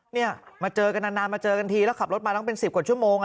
เนี่ยมาเจอกันนานมาเจอกันทีแล้วขับรถมาตั้งเป็น๑๐กว่าชั่วโมง